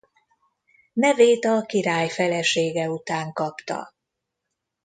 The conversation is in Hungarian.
Nevét a király felesége után kapta.